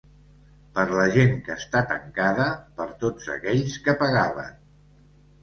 Per la gent que està tancada, per tots aquells que pegaven.